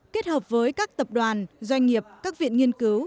kết hợp với các tập đoàn doanh nghiệp các viện nghiên cứu